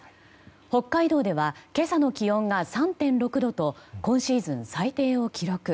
北海道では今朝の気温が３．６度と今シーズン最低を記録。